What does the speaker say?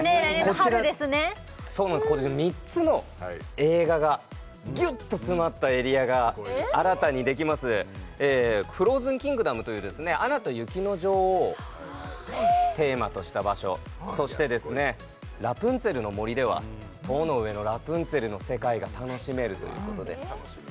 こちら３つの映画がギュッと詰まったエリアが新たにできますフローズンキングダムという「アナと雪の女王」をテーマとした場所そしてですねラプンツェルの森では「塔の上のラプンツェル」の世界が楽しめるということで楽しみ